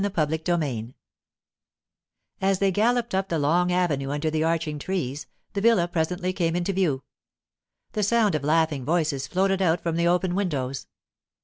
CHAPTER XIV AS they galloped up the long avenue under the arching trees, the villa presently came into view. The sound of laughing voices floated out from the open windows.